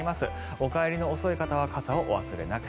お帰りの遅い方は傘をお忘れなく。